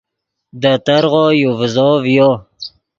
دے ترغو یو ڤیزو ڤیو